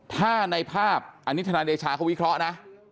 ถ้าในภาพอันนี้ทนายเดชาเขาวิเคราะห์นะ